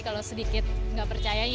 kalau sedikit enggak percayanya